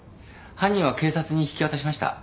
犯人は警察に引き渡しました。